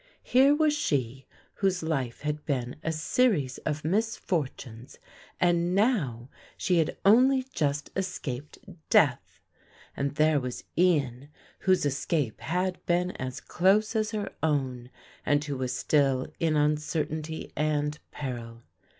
Here was she whose life had been a series of misfortunes and now she had only just escaped death, and there was Ian, whose escape had been as close as her own and who was still in uncertainty and peril.